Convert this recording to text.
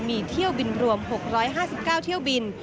มีเที่ยวบินรวม๖๕๙เที่ยวบิน